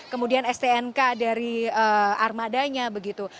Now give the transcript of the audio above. kemudian stnk dari armadanya begitu